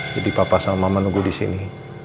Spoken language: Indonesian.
jadi papa sama mama nunggu disini